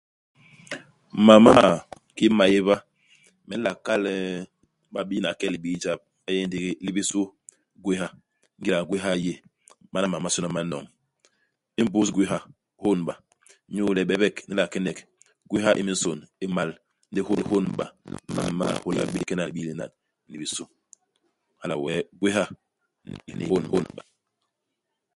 Mam m'ma kiki maéba me nla kal nn babiina i kel libii jap. Ma yé ndigi, li bisu, gwéha. Ingéda gwéha i yé, mana mam momasôna ma n'noñ. Imbus gwéha, hônba. Inyu le bebek ni nla kenek, gwéha i minsôn, i m'mal. Ndi hônba yon i nla hôla bé le ni kena libii linan ni bisu. Hala wee gwéha ni hônba.